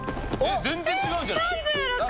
全然違うんじゃない？